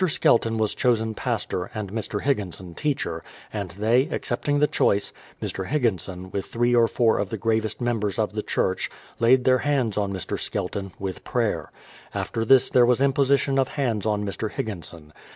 Skelton was chosen pastor, and Mr. Higginson teacher; and they, accepting the choice, THE PLYMOUTH SETTLEMENT 215 Mr. Higginson, with three or four of the gravest members of the church, laid their hands on Mr. SkeUon, with prayer. After this there was imposition of hands on Air. Higginson.